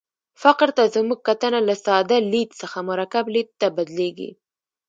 فقر ته زموږ کتنه له ساده لید څخه مرکب لید ته بدلېږي.